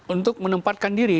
untuk menempatkan diri